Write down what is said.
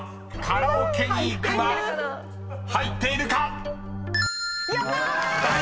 ［カラオケに行くは入っているか］